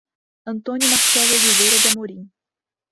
Antônio Marcelo Oliveira de Amorim